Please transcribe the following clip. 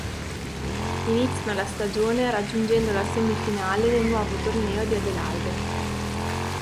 Iniziano la stagione raggiungendo la semifinale nel nuovo torneo di Adelaide.